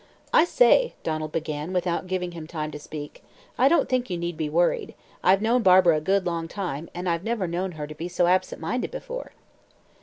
"] "I say," Donald began, without giving him time to speak, "I don't think you need be worried, I've known Barbara a good long time, and I've never known her to be so absent minded before."